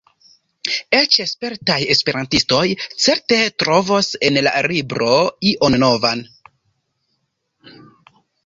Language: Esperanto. Eĉ spertaj esperantistoj certe trovos en la libro ion novan.